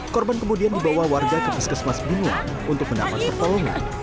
korban kemudian dibawa warga ke puskesmas gunung untuk mendapat pertolongan